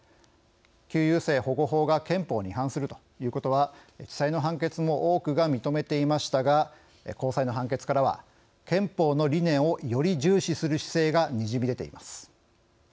旧優生保護法が憲法に違反するということは地裁の判決も多くが認めていましたが高裁の判決からは憲法の理念をより重視する姿勢がにじみ出ています。